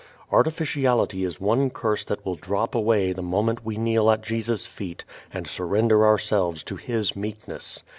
Artificiality is one curse that will drop away the moment we kneel at Jesus' feet and surrender ourselves to His meekness.